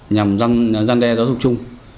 nhằm gian đe giáo dục chung